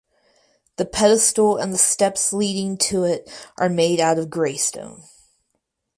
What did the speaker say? The pedestal and the steps leading to it are made out of grey stone.